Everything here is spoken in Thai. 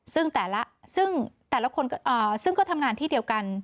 ซึ่งแต่ละซึ่งแต่ละคนซึ่งก็ทำงานที่เดียวกัน